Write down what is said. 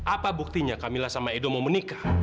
apa buktinya kamila sama edo mau menikah